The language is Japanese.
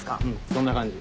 そんな感じ。